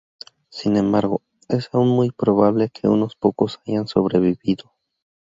Sin embargo es aún muy probable que unos pocos hayan sobrevivido.